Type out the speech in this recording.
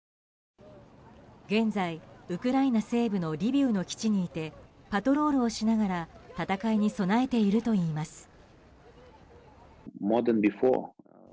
現在、ウクライナ西部のリビウの基地にいてパトロールをしながら戦いに備えているといいます。